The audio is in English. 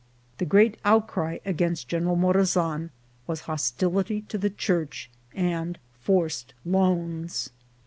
The great outcry against General Mora zan was hostility to the church and forced loans.